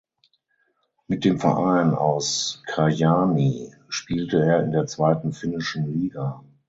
Mit dem Verein aus Kajaani spielte er in der zweiten finnischen Liga.